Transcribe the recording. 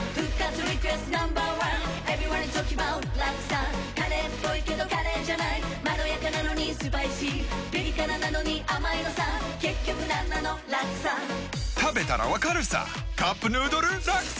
Ｎｏ．１Ｅｖｅｒｙｏｎｅｉｓｔａｌｋｉｎｇａｂｏｕｔラクサカレーっぽいけどカレーじゃないまろやかなのにスパイシーピリ辛なのに甘いのさ結局なんなのラクサ食べたら分かるさ「カップヌードルラクサ」！